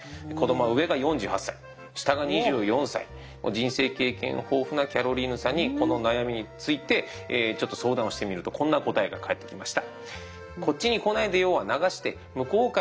人生経験豊富なキャロリーヌさんにこの悩みについてちょっと相談をしてみるとこんな答えが返ってきました。